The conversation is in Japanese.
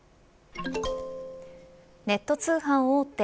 ネット通販大手